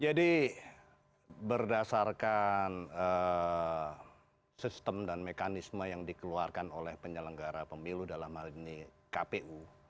jadi berdasarkan sistem dan mekanisme yang dikeluarkan oleh penyelenggara pemilu dalam hal ini kpu